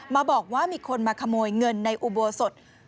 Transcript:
มาบอกว่ามีคนมาขโมยเงินในอุโบสถ